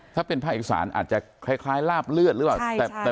ถ้าเป็นภาคอีสานอาจจะคล้ายลาบเลือดหรือเปล่า